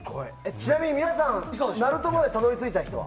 ちなみに皆さんなるとまでたどり着いた人は？